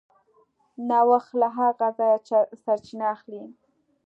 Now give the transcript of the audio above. نوښت له هغه ځایه سرچینه اخلي.